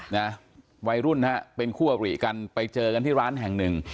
นะวัยรุ่นฮะเป็นคู่อริกันไปเจอกันที่ร้านแห่งหนึ่ง